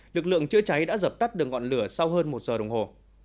lực lượng chữa cháy đã dập tắt được ngọn lửa sau hơn một giờ đồng hồ